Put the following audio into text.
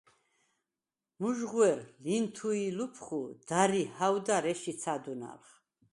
მუჟღუ̂ერ, ლინთუ̂ ი ლუფხუ̂ და̈რ ი ჰაუ̂და̈რ ეშ იცა̄დუნა̄̈ლხ.